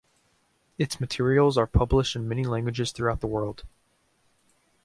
Its materials are published in many languages throughout the world.